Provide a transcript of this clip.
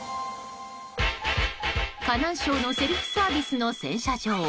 河南省のセルフサービスの洗車場。